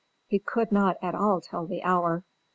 He could not at all tell the hour.